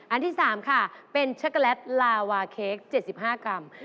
อันที่๓ค่ะเป็นช็อกโกแลตลาวาเค้ก๗๕กรัม